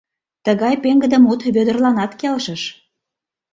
Тыгай пеҥгыде мут Вӧдырланат келшыш.